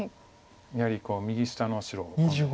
やはり右下の白を今度。